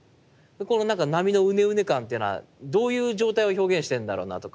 この波のウネウネ感っていうのはどういう状態を表現してるんだろうなとか。